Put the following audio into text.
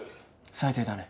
最低だね。